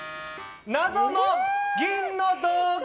謎の銀の道具！